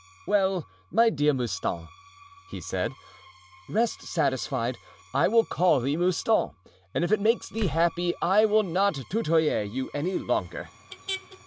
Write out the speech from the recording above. "Well, my dear Mouston," he said, "rest satisfied. I will call thee Mouston; and if it makes thee happy I will not 'tutoyer' you any longer."